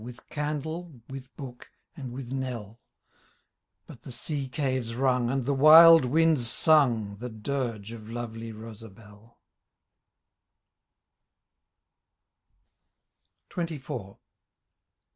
With candle, with book, and with knell ; But the searcaves rung, and the wild winds Hung,' The diige of lovely Rosabelle. XXIV.